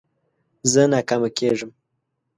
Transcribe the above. زه ناکامه کېږم.